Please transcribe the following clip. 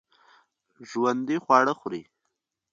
ژوندي خواړه خوري